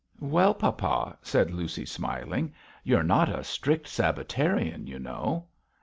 'Well, papa!' said Lucy, smiling, 'you are not a strict Sabbatarian, you know.'